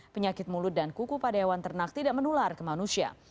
penyakit mulut dan kuku pada hewan ternak tidak menular ke manusia